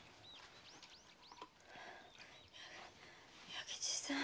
弥吉さん。